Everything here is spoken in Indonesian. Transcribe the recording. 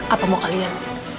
apa mau kalian